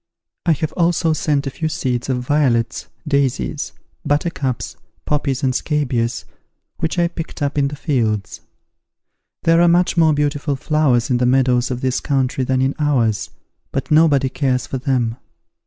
I have also sent a few seeds of violets, daisies, buttercups, poppies and scabious, which I picked up in the fields. There are much more beautiful flowers in the meadows of this country than in ours, but nobody cares for them.